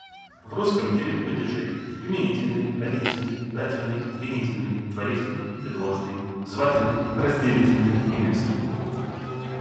В русском девять падежей: именительный, родительный, дательный, винительный, творительный, предложный, звательный, разделительный и местный.